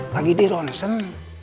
lagi di rongsen